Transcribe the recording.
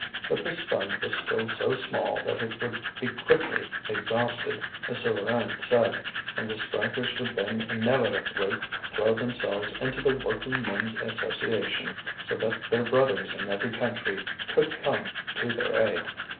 But this fund was still so small that it would be quickly exhausted, as Souvarine said, and the strikers would then inevitably throw themselves into the Working Men's Association so that their brothers in every country could come to their aid.